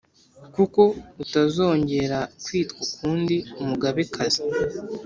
kuko utazongera kwitwa ukundi «umugabekazi».